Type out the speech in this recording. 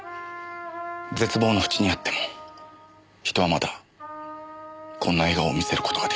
絶望のふちにあっても人はまだこんな笑顔を見せる事ができた。